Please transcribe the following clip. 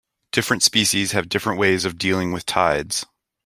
Different species have different ways of dealing with tides.